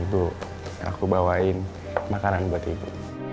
itu aku bawain makanan buat ibu